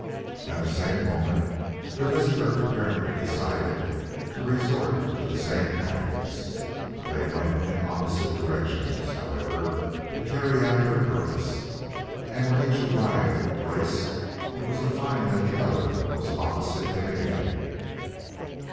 At the same moment the visitor apparently decided to resort to the same tactics. They went in opposite directions, however, to carry out their purpose, and when each arrived at the place it was to find that the other was opposite him again.